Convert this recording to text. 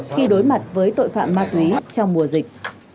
khi đối mặt với tội phạm ma túy trong mùa dịch